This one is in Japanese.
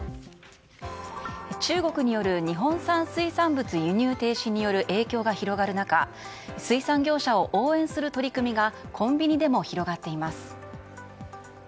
中国による日本産水産物輸入停止による影響が広がる中水産業者を応援する取り組みがコンビニでも広がっています。